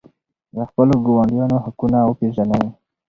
د خپلو ګاونډیانو حقونه وپېژنئ.